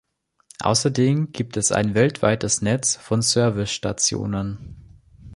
Außerdem gibt es ein weltweites Netz von Service-Stationen.